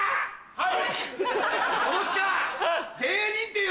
はい！